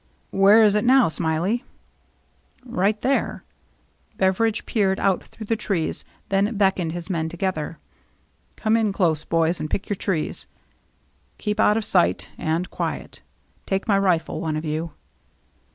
"Where is it now, Smiley ?'*" Right there." Beveridge peered out through the trees, then beckoned his men together. " Come in close, boys, and pick your trees. Keep out of sight — and quiet. Take my rifle, one of you."